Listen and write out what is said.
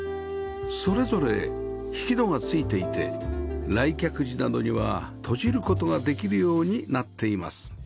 それぞれ引き戸が付いていて来客時などには閉じる事ができるようになっています